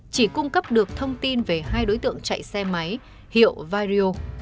chỉ cung cấp được thông tin về hai đối tượng chạy xe máy hiệu vario